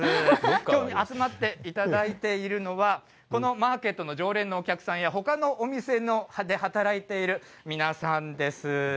きょう集まっていただいているのは、このマーケットの常連のお客さんや、ほかのお店で働いている皆さんです。